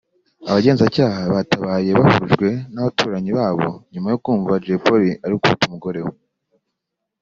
Abagenzacyaha batabaye bahurujwe n’abaturanyi babo nyuma yo kumva Jay Polly ari gukubita umugore we